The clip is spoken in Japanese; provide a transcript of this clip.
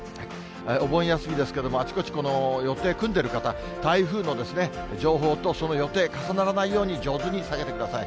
お盆休みですけれども、あちこち予定組んでる方、台風の情報とその予定、重ならないように、上手に避けてください。